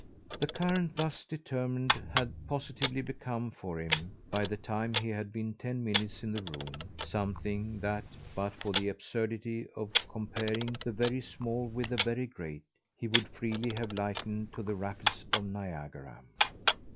The current thus determined had positively become for him, by the time he had been ten minutes in the room, something that, but for the absurdity of comparing the very small with the very great, he would freely have likened to the rapids of Niagara.